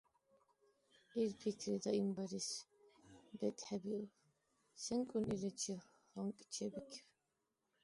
Ил пикри даимбарес бекӀхӀериуб, сенкӀун иличи гьанкӀ чебикиб.